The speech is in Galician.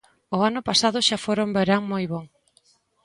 O ano pasado xa fora un verán moi bo.